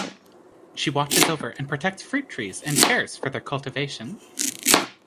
She watches over and protects fruit trees and cares for their cultivation.